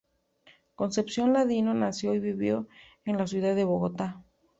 Concepción Ladino nació y vivió en la ciudad de Bogotá.